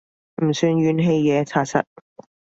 唔算怨氣嘢查實